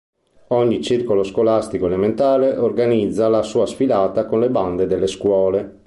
Ogni circolo scolastico elementare organizza la sua sfilata con bande delle scuole.